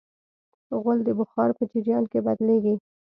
غول د بخار په جریان کې بدلېږي.